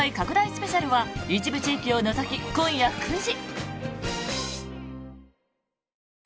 スペシャルは一部地域を除き今夜９時。